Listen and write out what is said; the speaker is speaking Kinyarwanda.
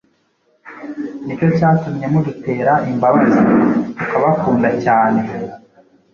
Ni cyo cyatumye mudutera imbabazi, tukabakunda cyane